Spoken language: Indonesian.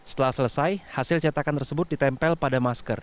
setelah selesai hasil cetakan tersebut ditempel pada masker